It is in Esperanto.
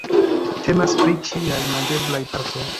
Temas pri ĉiaj manĝeblaj partoj.